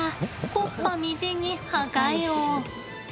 木っ端みじんに破壊王。